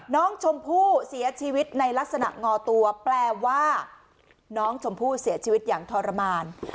น้องชมพู่เสียชีวิตในลักษณะงอตัวแปลว่าน้องชมพู่เสียชีวิตอย่างทรมาน